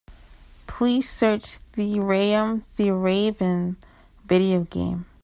Please search Thirayum Theeravum video game.